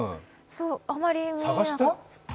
あまり見なかった。